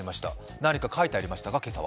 何か書いてありましたか、今朝は？